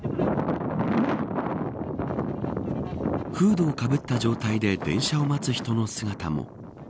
フードをかぶった状態で電車を待つ人の姿も。